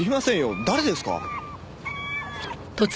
誰ですか？